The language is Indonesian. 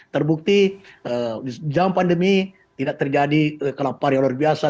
terbukti jam pandemi tidak terjadi kelaparan yang luar biasa